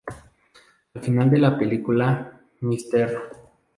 Al final de la película "Mr.